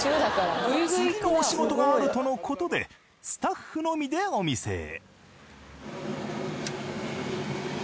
次のお仕事があるとのことでスタッフのみでお店へ。